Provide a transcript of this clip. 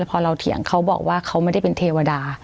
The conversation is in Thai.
พอเราเถียงเขาบอกว่าเขาไม่ได้เป็นเทวดา